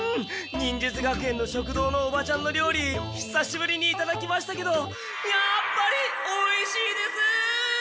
忍術学園の食堂のおばちゃんの料理ひさしぶりにいただきましたけどやっぱりおいしいです！